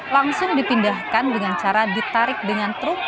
langsung dipindahkan dengan cara ditarik dengan truk